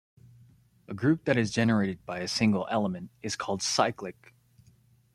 A group that is generated by a single element is called cyclic.